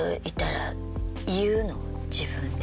自分で。